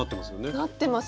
なってます。